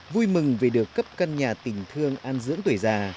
vui mừng vì được cấp căn nhà tình thương an dưỡng tuổi già